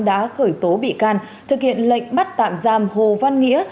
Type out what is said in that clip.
đã khởi tố bị can thực hiện lệnh bắt tạm giam hồ văn nghĩa